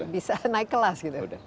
bisa naik kelas